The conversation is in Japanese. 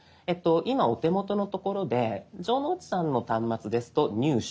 今お手元のところで城之内さんの端末ですと「入手」。